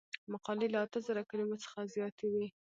مقالې له اته زره کلمو څخه زیاتې وي.